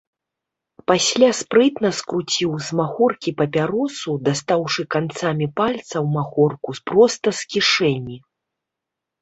Пасля спрытна скруціў з махоркі папяросу, дастаўшы канцамі пальцаў махорку проста з кішэні.